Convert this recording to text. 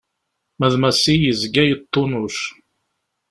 Ma d Massi yezga yeṭṭunuc.